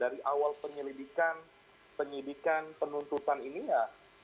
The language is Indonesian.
dari awal penyelidikan penyidikan penuntutan ini ya